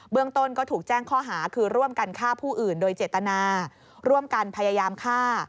เรื่องต้นก็ถูกแจ้งข้อหาคือร่วมกันฆ่าผู้อื่นโดยเจตนาร่วมกันพยายามฆ่า